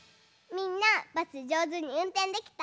みんなバスじょうずにうんてんできた？